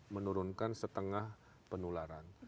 menurunkan setengah penularan